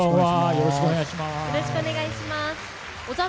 よろしくお願いします。